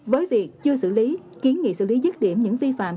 với việc chưa xử lý kiến nghị xử lý dứt điểm những vi phạm